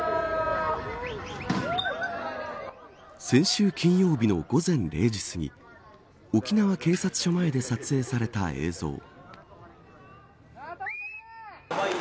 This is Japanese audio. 先週金曜日の午前０時すぎ沖縄警察署前で撮影された映像。